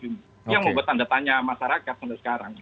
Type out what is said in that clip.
itu yang membuat tanda tanya masyarakat sampai sekarang